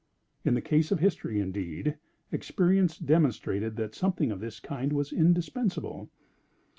In the case of history, indeed, experience demonstrated that something of this kind was indispensable.